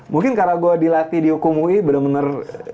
mungkin karena gue dilatih dihukum ui bener bener